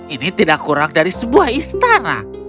ini tidak kurang dari sebuah istana